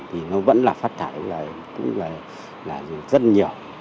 thì nó vẫn là phát thải là cũng là rất nhiều